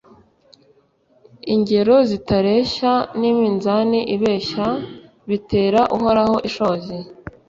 ingero zitareshya n'iminzani ibeshya bitera uhoraho ishozi